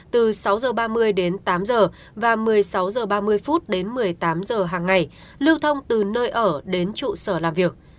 từ sáu h ba mươi đến tám h và một mươi sáu h ba mươi đến một mươi tám h hàng ngày lưu thông từ nơi ở đến trụ sở làm việc